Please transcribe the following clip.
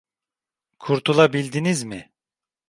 Kurtulabildiniz mi?